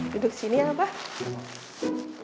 duduk sini alpah